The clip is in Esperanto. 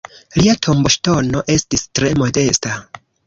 Lia tomboŝtono estis tre modesta.